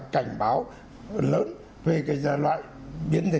cảnh báo lớn về cái loại bệnh phụ này